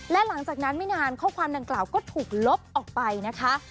และหลังจากนั้นไม่นานข้อความดังกล่าวก็ถูกลบออกไปนะคะ